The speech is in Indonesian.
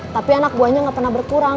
tapi anak buahnya nggak pernah berkurang